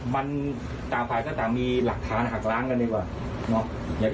มันตามภายกรณ์ก็ตามมีหลักฐานหักล้างนั่นดีกว่า